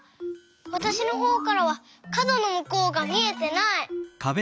わたしのほうからはかどのむこうがみえてない！